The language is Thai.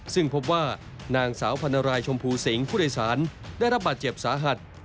ซึ่งพบว่านางสาวพันรายชมพูสิงผู้โดยสารได้รับบาดเจ็บสาหัส